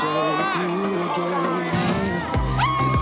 โอ้มายก๊อด